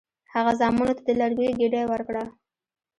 هغه زامنو ته د لرګیو ګېډۍ ورکړه.